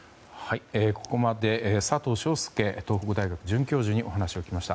ここまで佐藤翔輔東北大学准教授にお話を聞きました。